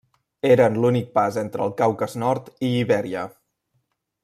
Eren l'únic pas entre el Caucas nord i Ibèria.